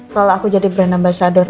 kalau aku jadi brand ambasador